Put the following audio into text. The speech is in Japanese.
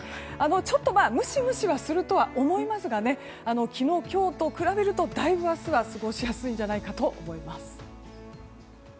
ちょっとムシムシはするとは思いますが昨日、今日と比べるとだいぶ過ごしやすいと思います。